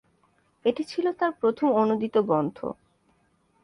এটি ছিল তার প্রথম অনূদিত গ্রন্থ।